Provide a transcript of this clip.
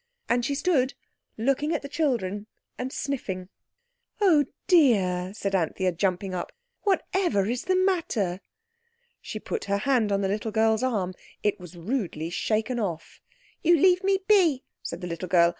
And she stood looking at the children and sniffing. "Oh, dear!" said Anthea, jumping up. "Whatever is the matter?" She put her hand on the little girl's arm. It was rudely shaken off. "You leave me be," said the little girl.